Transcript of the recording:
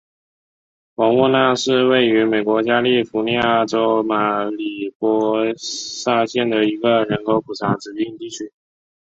瓦沃纳是位于美国加利福尼亚州马里波萨县的一个人口普查指定地区。